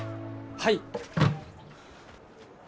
はい。